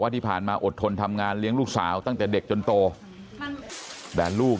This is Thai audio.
ที่ผ่านมาอดทนทำงานเลี้ยงลูกสาวตั้งแต่เด็กจนโตแต่ลูก